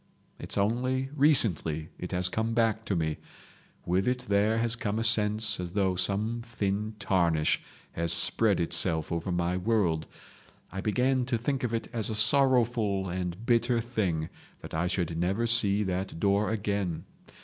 It's only recently it has come back to me. With it there has come a sense as though some thin tarnish had spread itself over my world. I began to think of it as a sorrowful and bitter thing that I should never see that door again.